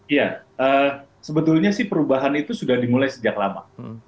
iya sebetulnya sih perubahan itu sudah dimulai sejak lama